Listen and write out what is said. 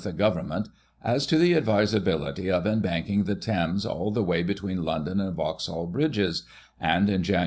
87 the Government as to the advisability of embanking the Thames all the way between London and Vauxhall Bridges, and, in Jan.